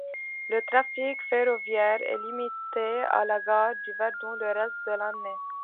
Le trafic ferroviaire est limité à la gare du Verdon le reste de l'année.